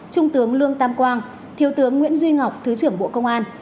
trung tướng lương tam quang thiếu tướng nguyễn duy ngọc thứ trưởng bộ công an